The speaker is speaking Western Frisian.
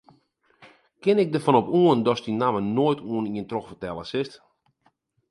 Kin ik derfan op oan datst dy namme noait oan ien trochfertelle silst?